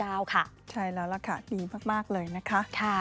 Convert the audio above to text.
ใช่แล้วล่ะค่ะดีมากเลยนะคะ